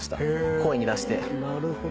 声に出して。